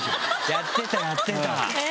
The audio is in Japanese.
やってたやってた。